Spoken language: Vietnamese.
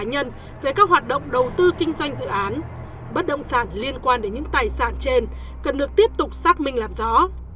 hoặc đầu tư kinh doanh dự án bất động sản liên quan đến những tài sản trên cần được tiếp tục xác minh làm rõ